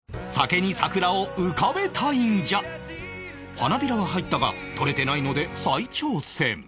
花びらは入ったが撮れてないので再挑戦